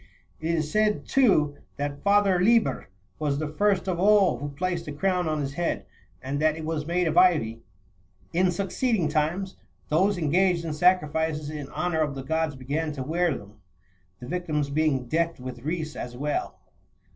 It is said, too, that Father Liber was the first of all who placed a crown on his head, and that it was made of ivy.27 In succeeding times, those engaged in sacrifices in honour of the gods began to wear them, the victims being decked with wreaths as well.